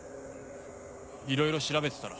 いろいろ調べてたら。